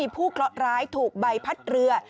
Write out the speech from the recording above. ผู้กลอดร้ายถูกใบพัดเรือ